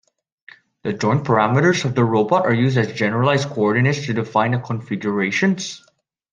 The joint parameters of the robot are used as generalized coordinates to define configurations.